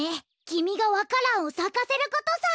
きみがわか蘭をさかせることさ！